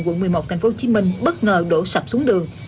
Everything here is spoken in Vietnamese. quận một mươi một tp hcm bất ngờ đổ sập xuống đường